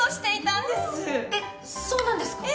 えっそうなんですか！？